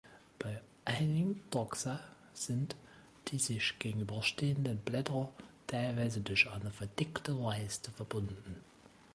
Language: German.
Bei einigen Taxa sind die sich gegenüberstehenden Blätter teilweise durch eine verdickte Leiste verbunden.